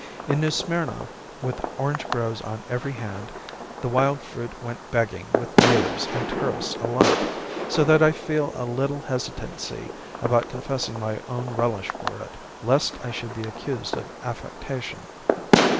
In New Smyrna, with orange groves on every hand, the wild fruit went begging with natives and tourists alike; so that I feel a little hesitancy about confessing my own relish for it, lest I should be accused of affectation.